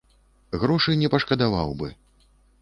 Грошы не пашкадаваў бы.